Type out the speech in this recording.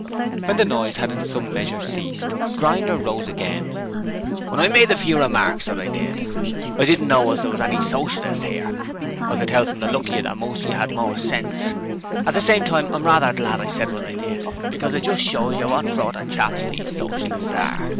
When the noise had in some measure ceased, Grinder again rose. 'When I made the few remarks that I did, I didn't know as there was any Socialists 'ere: I could tell from the look of you that most of you had more sense. At the same time I'm rather glad I said what I did, because it just shows you what sort of chaps these Socialists are.